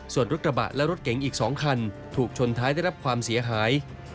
ส่วนรถกระบะและรถเก๋งอีก๒คันถูกชนท้ายได้รับความเสียหาย